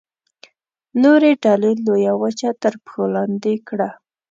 نورې ډلې لویه وچه تر پښو لاندې کړه.